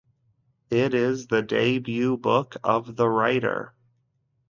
It is the debut book of the writer.